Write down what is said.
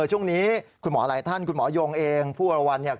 ช่วงนี้คุณหมอหลายท่านคุณหมอยงเองผู้วรวรรณเนี่ย